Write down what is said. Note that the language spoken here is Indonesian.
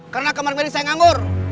karena kamar melebih saya nganggur